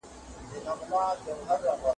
هغوی به په راتلونکي کي خطرونه ومني.